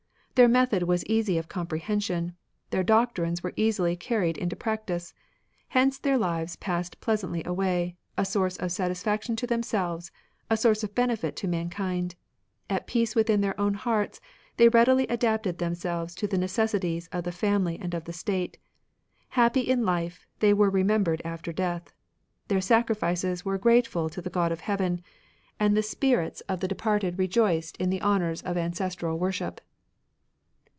Their method was easy of comprehension : their doctrines were easily carried into practice. Hence their lives passed pleasantly away, a source of satis faction to themselves, a source of benefit to man kind. At peace within their own hearts, they readily adapted themselves to the necessities of the family and of the State. Happy in life, they were remembered after death. Their sacrifices were grateful to the God of Heaven, and the spirits 58 MATERIALISM of the departed rejoiced in the honours of ancestral worship."